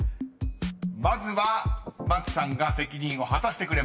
［まずはＭＡＴＳＵさんが責任を果たしてくれました］